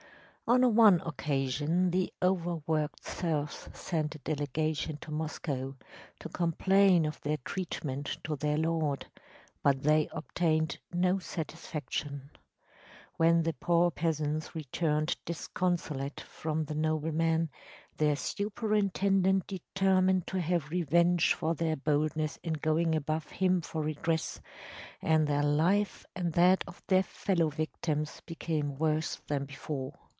On one occasion the overworked serfs sent a delegation to Moscow to complain of their treatment to their lord, but they obtained no satisfaction. When the poor peasants returned disconsolate from the nobleman their superintendent determined to have revenge for their boldness in going above him for redress, and their life and that of their fellow victims became worse than before.